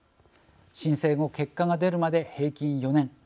申請後、結果が出るまで平均４年。